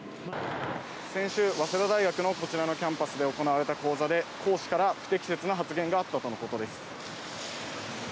先週、早稲田大学のこちらのキャンパスで行われた講座で講師から不適切な発言があったとのことです。